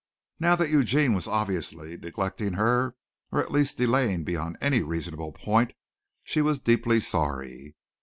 Now that Eugene was obviously neglecting her, or at least delaying beyond any reasonable period, she was deeply sorry.